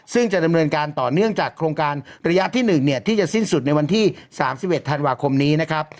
ซึ่งจะดำเนินการต่อเนื่องจากโครงการระยะที่หนึ่งเนี่ยที่จะสิ้นสุดในวันที่สามสิบเอ็ดธันวาคมนี้นะครับ